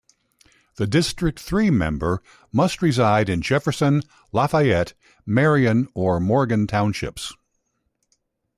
The District Three member must reside in Jefferson, Lafayette, Marion, or Morgan Townships.